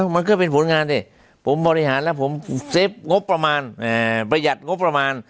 มันก็เป็นผลงานสิผมบริหารแล้วผมเซฟงบประมาณประหยัดงบประมาณ